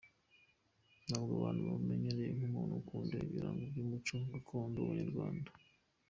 Ntabwo abantu bamumenyereye nk’umuntu ukunda ibirango by’umuco gakondo w’abanyarwanda.